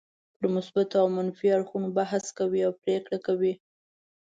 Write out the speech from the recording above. پر مثبتو او منفي اړخونو بحث کوي او پرېکړه کوي.